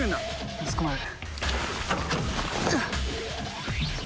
あそこまで。